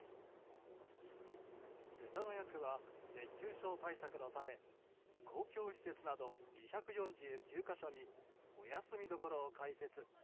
世田谷区は熱中症対策のため公共施設など２４９か所にお休み処を開設。